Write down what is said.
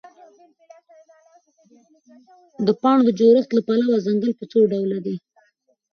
د پاڼو د جوړښت له پلوه ځنګل په څوډوله دی؟